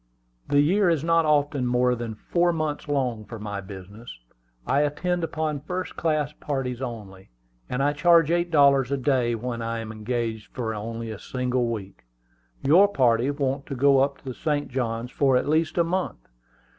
The year is not often more than four months long for my business. I attend upon first class parties only, and I charge eight dollars a day when I am engaged for only a single week. Your party want to go up the St. Johns for at least a month.